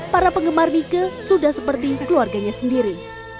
para penggemar nike sudah seperti keluarganya sendiri